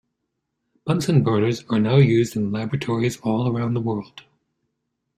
Bunsen burners are now used in laboratories all around the world.